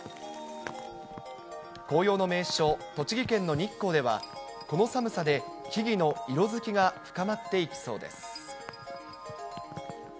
紅葉の名所、栃木県の日光では、この寒さで木々の色づきが深まっていきそうです。